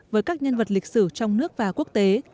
với các nhân vật lịch sử trong nước và quốc tế